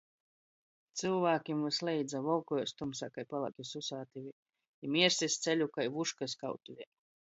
Cylvākim vysleidza - volkojās tymsā kai palāki susātivi i mierst iz ceļu kai vuškys kautuvē.